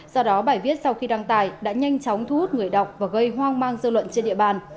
do đó bài viết sau khi đăng tài đã nhanh chóng thu hút người đọc và gây hoang mang dư luận trên địa bàn